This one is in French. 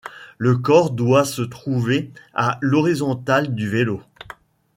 Le corps doit se trouver à l'horizontale du vélo.